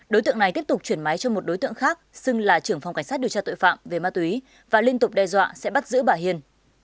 đối tượng này tiếp tục chuyển máy cho một đối tượng khác xưng là trưởng phòng cảnh sát điều tra tội phạm về ma túy và liên tục đe dọa sẽ bắt giữ bà hiền